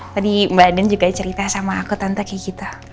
tadi mbak den juga cerita sama aku tante kayak kita